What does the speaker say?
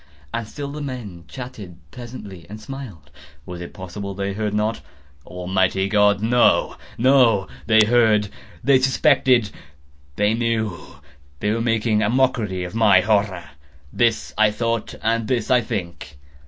And still the men chatted pleasantly, and smiled. Was it possible they heard not? Almighty God!—no, no! They heard!—they suspected!—they knew!—they were making a mockery of my horror!—this I thought, and this I think.